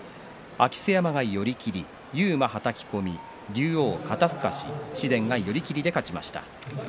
明瀬山が寄り切り勇磨、はたき込み龍王、肩すかし紫雷、寄り切りで勝ちました。